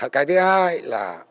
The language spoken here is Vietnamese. cái thứ hai là